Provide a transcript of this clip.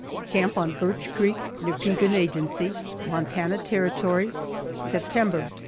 CAMP ON BIRCH CREEK, NEAR PIEGAN AGENCY, MONTANA TERRITORY, September, 1882.